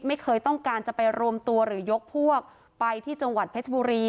ไม่เคยต้องการจะไปรวมตัวหรือยกพวกไปที่จังหวัดเพชรบุรี